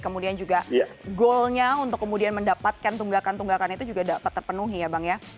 kemudian juga goalnya untuk kemudian mendapatkan tunggakan tunggakan itu juga dapat terpenuhi ya bang ya